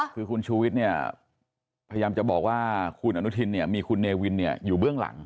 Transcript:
คือคุณชูวิทย์เนี่ยพยายามจะบอกว่าคุณอนุทินเนี่ยมีคุณเนวินอยู่เบื้องหลัง